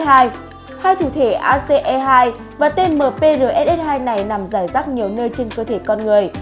hai thủ thể ace hai và tmprss hai này nằm rải rắc nhiều nơi trên cơ thể con người